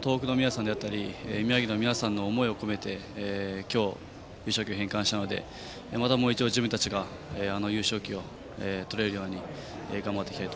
東北の皆さんだったり宮城の皆さんの思いを込めて今日、優勝旗を返還したのでまたもう一度自分たちがあの優勝旗をとれるように頑張っていきたい